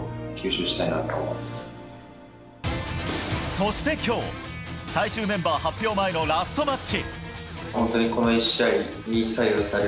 そして、今日最終メンバー発表前のラストマッチ。